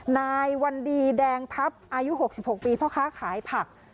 นายวันดีแดงทัพอายุหกสิบหกปีเพราะค้าขายผัก